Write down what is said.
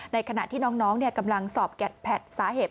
ในขณะที่น้องกำลังสอบแก๊แพทสาเหตุ